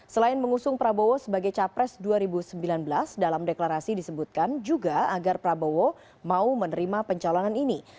selain mengusung prabowo sebagai capres dua ribu sembilan belas dalam deklarasi disebutkan juga agar prabowo mau menerima pencalonan ini